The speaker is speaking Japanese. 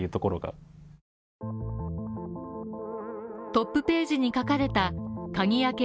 トップページに書かれた鍵開け